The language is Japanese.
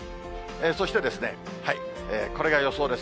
そしてこれが予想です。